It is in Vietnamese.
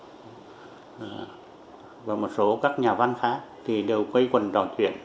hồ phương mai mai ngữ và một số các nhà văn khác thì đều quây quần trò chuyện